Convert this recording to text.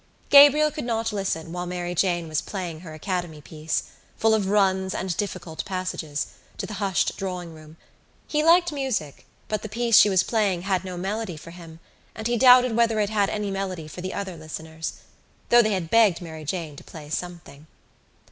Gabriel could not listen while Mary Jane was playing her Academy piece, full of runs and difficult passages, to the hushed drawing room. He liked music but the piece she was playing had no melody for him and he doubted whether it had any melody for the other listeners, though they had begged Mary Jane to play something.